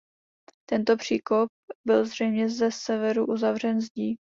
Tento příkop byl zřejmě ze severu uzavřen zdí.